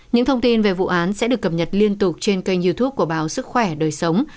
những thông tin về vụ án sẽ được cập nhật liên tục trên kênh youtube của báo sức khỏe đời sống